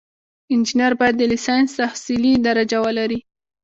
انجینر باید د لیسانس تحصیلي درجه ولري.